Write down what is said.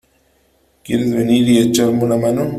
¿ Quieres venir y echarme una mano ?